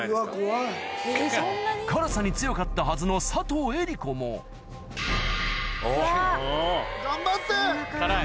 辛さに強かったはずの佐藤江梨子も頑張って！